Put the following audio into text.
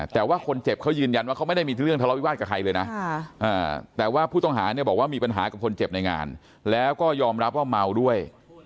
แต่ว่าคนเจ็บเขายืนยันว่าเขาไม่ได้มีเรื่องทะเลาวิวาสกับใครเลยนะแต่ว่าผู้ต้องหาเนี่ยบอกว่ามีปัญหากับคนเจ็บในงานแล้วก็ยอมรับว่าเมาด้วย